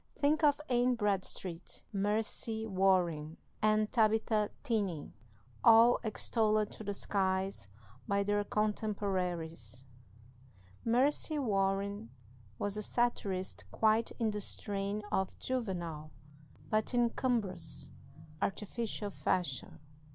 Think of Anne Bradstreet, Mercy Warren, and Tabitha Tenney, all extolled to the skies by their contemporaries. Mercy Warren was a satirist quite in the strain of Juvenal, but in cumbrous, artificial fashion.